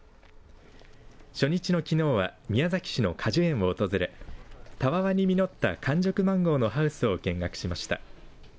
初日のきのうは宮崎市の果樹園を訪れたわわに実った完熟マンゴーのハウスを見学しました。